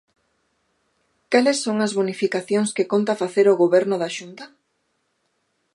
¿Cales son as bonificacións que conta facer o Goberno da Xunta?